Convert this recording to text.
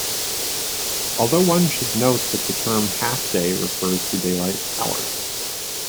Although, one should note that the term "half day" refers to daylight hours.